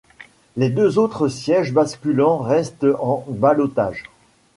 Les deux autres sièges basculants restent en ballotage.